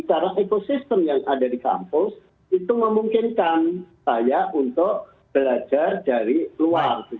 karena ekosistem yang ada di kampus itu memungkinkan saya untuk belajar dari luar